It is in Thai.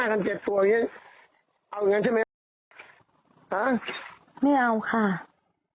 เอาอย่างงั้นใช่ไหมเอาแบบเจอหน้ากันเจ็ดตัวอย่างงี้เอาอย่างงั้นใช่ไหม